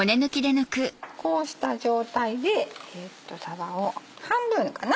こうした状態でさばを半分かな？